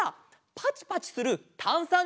パチパチするたんさん